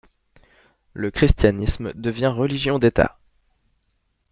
Le christianisme devient religion d'État.